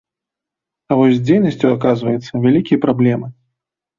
А вось з дзейнасцю, аказваецца, вялікія праблемы.